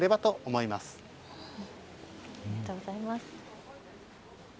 ありがとうございます。